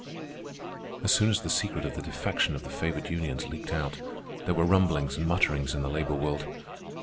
As soon as the secret of the defection of the favored unions leaked out, there were rumblings and mutterings in the labor world.